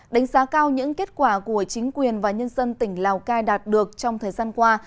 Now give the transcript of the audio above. đánh giá cao những kết quả của chính quyền và nhân dân tỉnh lào cai đạt được trong thời gian qua